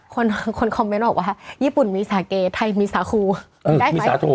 คนคอมเมนต์บอกว่าญี่ปุ่นมีสาเกไทยมีสาคูได้ไหม